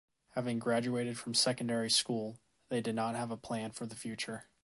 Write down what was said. Having graduated from secondary school, they did not have a plan for the future.